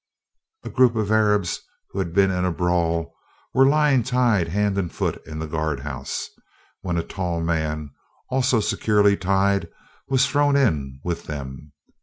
A group of Arabs who had been in a brawl were lying tied hand and foot in the guardhouse, when a tall man, also securely tied, was thrown in with them.